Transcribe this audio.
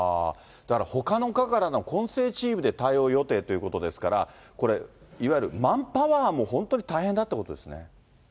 だから、ほかの科からの混成チームで対応予定ということですから、これ、いわゆるマンパワーも本当に大変だってことですね。